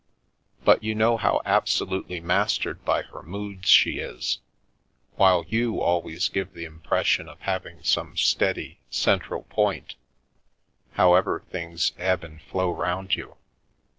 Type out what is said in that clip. But you know how absolutely mastered by her moods she is, while you always give the impression of having some steady, cen tral point, however things ebb and flow round you.